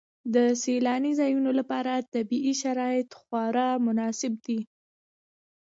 د سیلاني ځایونو لپاره طبیعي شرایط خورا مناسب دي.